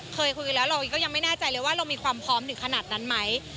เคยคุยกันแล้วเราก็ยังไม่แน่ใจเลยว่าเรามีความพร้อมถึงขนาดนั้นไหม